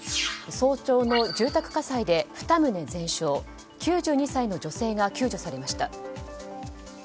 早朝の住宅火災で２棟全焼９２歳の女性が救助されました。